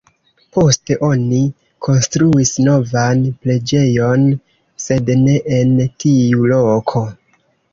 Poste oni konstruis novan preĝejon, sed ne en tiu loko.